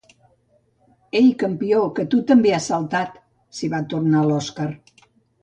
Ei, campió, que tu també has saltat —s'hi va tornar l'Oskar.